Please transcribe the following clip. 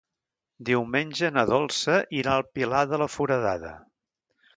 Diumenge na Dolça irà al Pilar de la Foradada.